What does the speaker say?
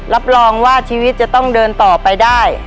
รับรองว่าชีวิตจะต้องเดินต่อไปได้